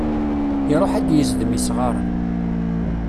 Iruḥ ad yezdem isɣaṛen.